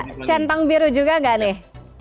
bisa dapet centang biru juga enggak nih